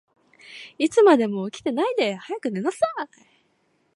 いつまでも起きてないで、早く寝なさい。